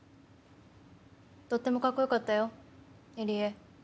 とってもかっこよかったよ入江。